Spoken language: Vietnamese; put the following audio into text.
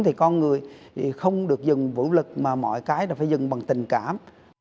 thì con người không được dừng vũ lực mà mọi cái là phải dừng bằng tình cảm